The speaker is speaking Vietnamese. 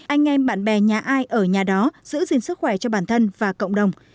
anh em bạn bè nhà ai ở nhà đó giữ gìn sức khỏe cho bản thân và cộng đồng